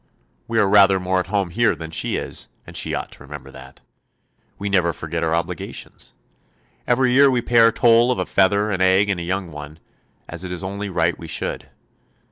We are rather more at home here than she is, and she ought to remember that. We never forget our obligations. Every year we pay our toll of a feather, an egg, and a young one, as it is only right we should.